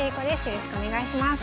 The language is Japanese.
よろしくお願いします。